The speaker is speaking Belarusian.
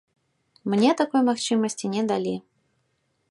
Мне такой магчымасці не далі.